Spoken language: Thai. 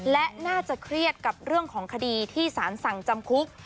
และน่าจะเครียดกับเรื่องของคดีที่สารสั่งจำคุก